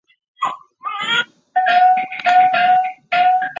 现时为无线电视力捧新晋小生之一。